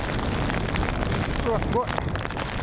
うわ、すごい。